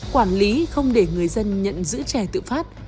quản lý không để người dân nhận giữ trẻ tự phát